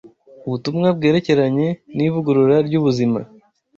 ubutumwa bwerekeranye n’ivugurura ry’ubuzima